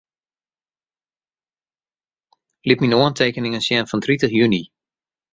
Lit myn oantekeningen sjen fan tritich juny.